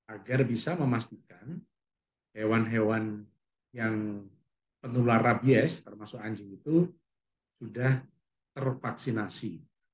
agar bisa memastikan hewan hewan yang penular rabies termasuk anjing itu sudah tervaksinasi